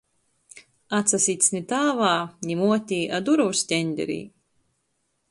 Atsasits ni tāvā, ni muotī, a durovu stenderī.